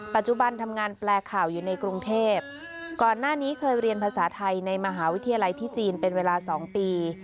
ปัจจุบันทำงานแปลข่าวอยู่ในกรุงเทพก่อนหน้านี้เคยเรียนภาษาไทยในมหาวิทยาลัยที่จีนเป็นเวลา๒ปี